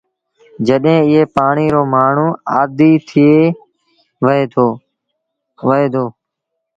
جڏهيݩ ايئي پآڻيٚ رو مآڻهوٚٚݩ آديٚ ٿئي وهي دو۔